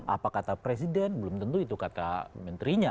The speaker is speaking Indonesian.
apa kata presiden belum tentu itu kata menterinya